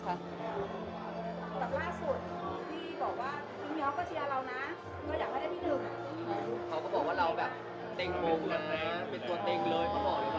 เค้าก็บอกว่าเค้ากันตัวเต็งเลย